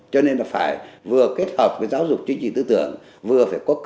cho nên là phải vừa kết hợp với giáo dục chương trình tư tưởng